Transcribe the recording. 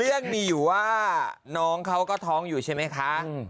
เรื่องมีอยู่ว่าน้องเขาก็ท้องอยู่ใช่ไหมคะ